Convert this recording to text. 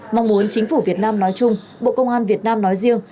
mong muốn chính phủ việt nam nói chung bộ công an việt nam nói riêng